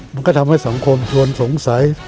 มันก็ทำให้สังคมชวนสงสัย